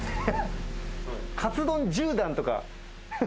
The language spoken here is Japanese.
カツ丼１０段とか。